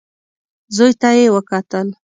زوی ته يې وکتل.